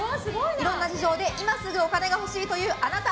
いろいろな事情で今すぐお金が欲しいというあなた。